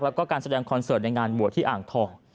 แล้วก็การแสดงคอนเสิร์ตในงานบวชที่อ่างทอง